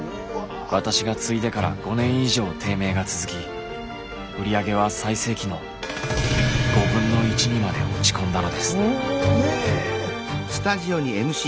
私が継いでから５年以上低迷が続き売り上げは最盛期のにまで落ち込んだのです。